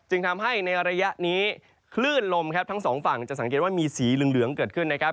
ทำให้ในระยะนี้คลื่นลมครับทั้งสองฝั่งจะสังเกตว่ามีสีเหลืองเกิดขึ้นนะครับ